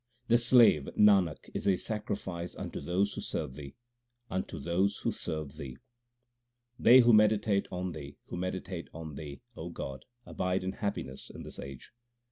The slave Nanak is a sacrifice unto those who serve Thee, unto those who serve Thee. They who meditate on Thee, who meditate on Thee, O God, abide in happiness in this age.